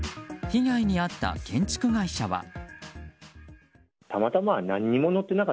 被害に遭った建築会社は。